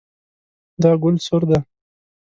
دا ګل سور ده